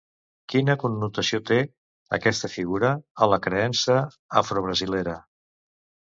Quina connotació té, aquesta figura, a la creença afrobrasilera?